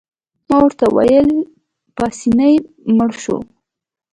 ما ورته وویل: پاسیني مړ شو.